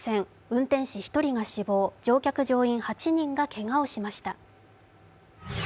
運転士１人が死亡、乗客・乗員８人がけがをしました。